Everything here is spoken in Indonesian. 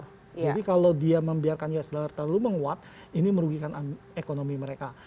jadi kalau dia membiarkan us dollar terlalu menguat ini merugikan ekonomi mereka